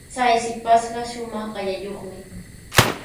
Chay shipashqa shumaq qaqllayuqmi.